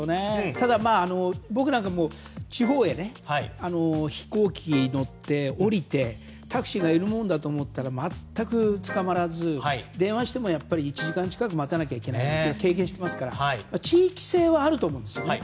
ただ、僕なんかも地方へ飛行機に乗って降りてタクシーがいるもんだと思ったら全くつかまらず電話しても１時間近く待たなければいけないというのを経験していますから地域性はあると思うんですよね。